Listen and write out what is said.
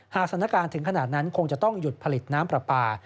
สถานการณ์ถึงขนาดนั้นคงจะต้องหยุดผลิตน้ำปลาปลา